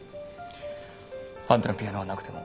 あんたのピアノがなくても。